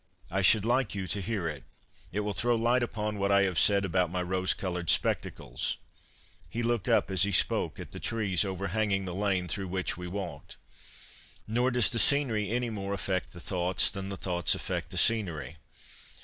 I should like you to hear it. It will throw light upon what I have said about my rose coloured spectacles.' He looked up, as he spoke, at the trees over hanging the lane through which we walked. 110 CONFESSIONS OF A BOOK LOVER '" Nor does the scenery any more affect the thoughts than the thoughts affect the scenery.